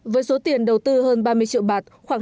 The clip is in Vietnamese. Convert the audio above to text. với số tiền đầu tư hơn ba mươi triệu bạt